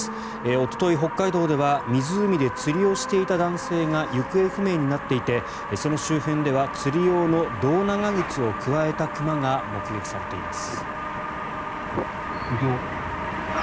おととい、北海道では湖で釣りをしていた男性が行方不明になっていてその周辺では釣り用の胴長靴をくわえた熊が目撃されています。